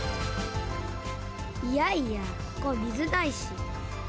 いやいやここ水ないし。